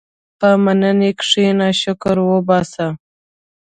په مننې کښېنه، شکر وباسه.